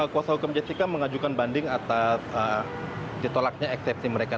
kuasa hukum jessica mengajukan banding atas ditolaknya eksepsi mereka